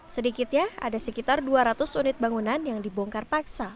sedikitnya ada sekitar dua ratus unit bangunan yang dibongkar paksa